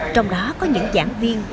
trong đó có những giảng viên